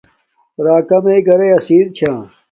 راکا میے گھرݵ اسیر چھا